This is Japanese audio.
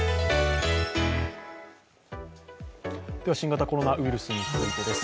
新型コロナウイルスについてです。